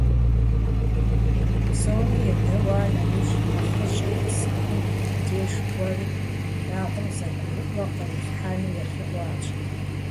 Псоми едэӀуа нэужь, нэхъыжьыр Насыпым и деж кӀуэри и унагъуэм зэгурыӀуэ кърилъхьэну елъэӀуащ.